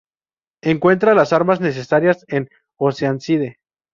Encuentra las armas necesarias en Oceanside.